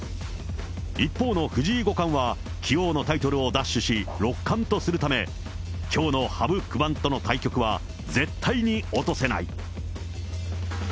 一方の藤井五冠は棋王のタイトルを奪取し、六冠とするため、きょうの羽生九段との対局は、絶対に落とせない。